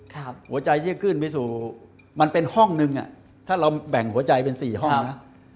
หัวใจที่จะขึ้นไปสู่มันเป็นห้องนึงถ้าเราแบ่งหัวใจเป็นสี่ห้องนะ